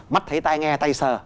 mắt thấy tay nghe tay sờ